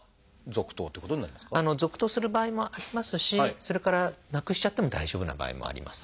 続投する場合もありますしそれからなくしちゃっても大丈夫な場合もあります。